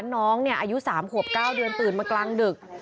น้องอายุ๓ขวบ๙เดือนตื่นมากลางดึก